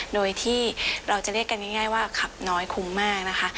โดยที่เราจะเรียกกันง่ายว่าขับน้อยคุ้มมากนะคะ